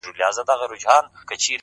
ځاى جوړاوه،